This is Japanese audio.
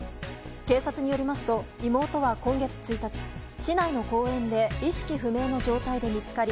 警察によりますと妹は今月１日市内の公園で意識不明の状態で見つかり